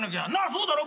そうだろ？